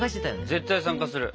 絶対参加する。